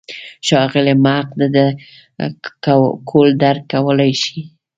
ښاغلی محق ډډه کول درک کولای شي.